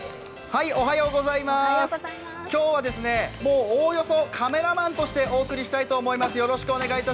今日はおおよそカメラマンとしてお送りしたいと思います。